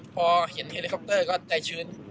พอเห็นเฮลิคอปเตอร์ก็ใจชื้น